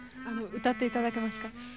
あの歌っていただけますか？